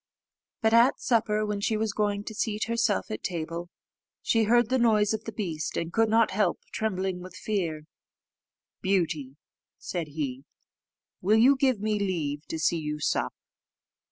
But at supper, when she was going to seat herself at table, she heard the noise of the beast, and could not help trembling with fear. "Beauty," said he, "will you give me leave to see you sup?"